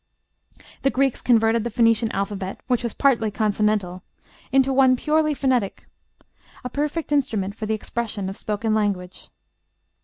The Greeks converted the Phoenician alphabet, which was partly consonantal, into one purely phonetic "a perfect instrument for the expression of spoken language."